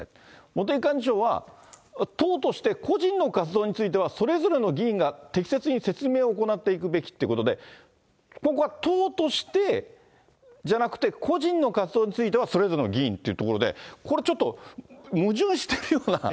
茂木幹事長は、党として個人の活動については、それぞれの議員が適切に説明を行っていくべきってことで、ここは党としてじゃなくて、個人の活動についてはそれぞれの議員というところで、これちょっと、矛盾してるような。